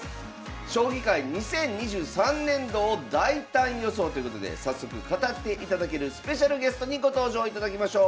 将棋界２０２３年度を大胆予想ということで早速語っていただけるスペシャルゲストにご登場いただきましょう。